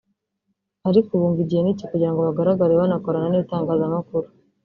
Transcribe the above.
ariko ubu ngo igihe ni iki kugira ngo bagaragare banakorana n’itangazamakuru